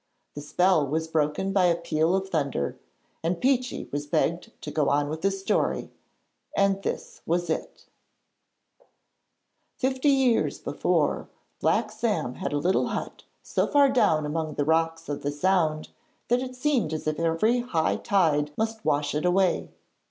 The spell was broken by a peal of thunder, and Peechy was begged to go on with his story, and this was it: Fifty years before, Black Sam had a little hut so far down among the rocks of the Sound that it seemed as if every high tide must wash it away.